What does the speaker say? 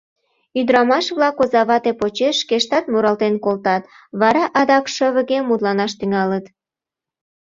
Ӱдырамаш-влак оза вате почеш шкештат муралтен колтат, вара адак шывыге мутланаш тӱҥалыт.